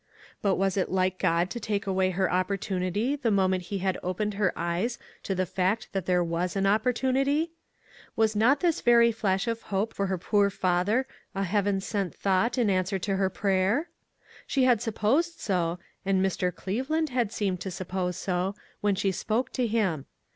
But was it like God to take away her opportunity the moment he had opened her eyes to the fact that there was an opportunity ? Was not this very flash of hope for her poor father a heaven sent thought in answer to her prayer? She had supposed so, and Mr. Cleveland had seemed to suppose so, when she spoke to him.